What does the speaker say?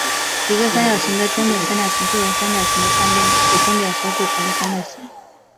一个三角形的中点三角形是原三角形的三边的中点所组成的三角形。